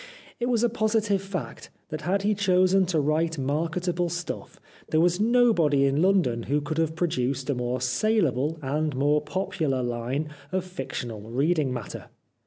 It was a posi tive fact that had he chosen to write marketable stuff there was nobody in London who could have produced a more saleable and more popular " line " of fictional reading matter.